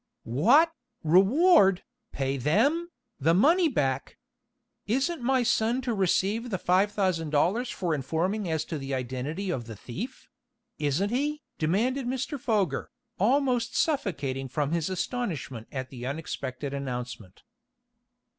"What? Reward? Pay them? The money back? Isn't my son to receive the five thousand dollars for informing as to the identity of the thief isn't he?" demanded Mr. Foger, almost suffocating from his astonishment at the unexpected announcement.